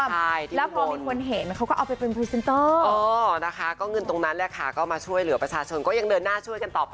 บรรยากาศ